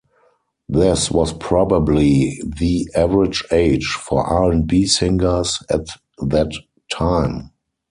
This was probably the average age for R and B singers at that time.